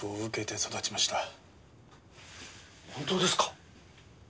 本当ですか？